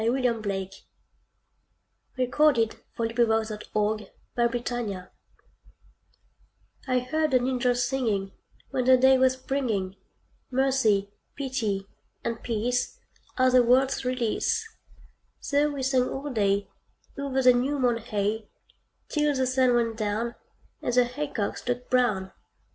William Blake The Two Songs I HEARD an Angel Singing When the day was springing: "Mercy, pity, and peace, Are the world's release." So he sang all day Over the new mown hay, Till the sun went down, And the haycocks looked brown.